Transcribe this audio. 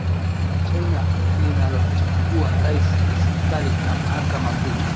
La China linalomchagua Rais na serikali na mhakama kuu